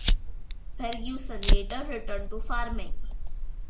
Ferguson later returned to farming.